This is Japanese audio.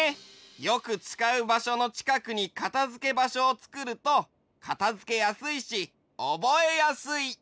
よくつかうばしょのちかくにかたづけばしょをつくるとかたづけやすいしおぼえやすい！